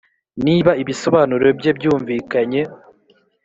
n’iba ibisobanuro bye byumvikanye